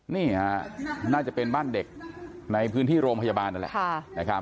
นี่ฮะน่าจะเป็นบ้านเด็กในพื้นที่โรงพยาบาลนั่นแหละ